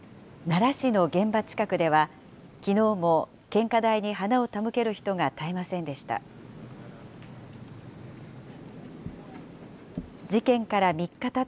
奈良市の現場近くでは、きのうも献花台に花を手向ける人が絶えませんでした。